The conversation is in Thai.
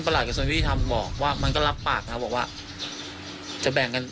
หลักกระทรวงยุติธรรมบอกว่ามันก็รับปากนะบอกว่าจะแบ่งกัน